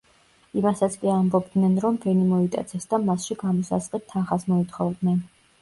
იმასაც კი ამბობდნენ, რომ ბენი მოიტაცეს და მასში გამოსასყიდ თანხას მოითხოვდნენ.